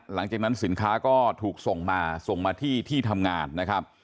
หลังจากนั้นสินค้าก็ถูกส่งมาส่งมาที่ที่ทำงานนะครับ